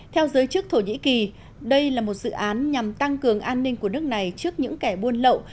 theo giới chức thổ nhĩ kỳ đây là một dự án nhằm tăng cường an ninh của nước này trước những kẻ buôn lậu